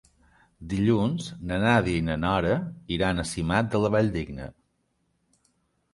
Dilluns na Nàdia i na Nora iran a Simat de la Valldigna.